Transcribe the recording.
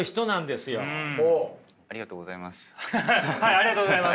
ありがとうございます。